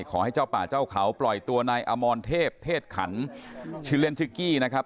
ขอให้เจ้าป่าเจ้าเขาปล่อยตัวนายอมรเทพเทศขันชื่อเล่นชื่อกี้นะครับ